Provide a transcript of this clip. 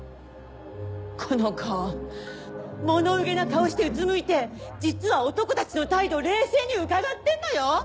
この子物憂げな顔してうつむいて実は男たちの態度冷静にうかがってんのよ！